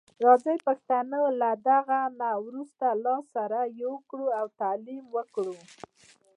راځي پښتنو له دغه نه وروسته لاس سره یو کړو او تعلیم وکړو.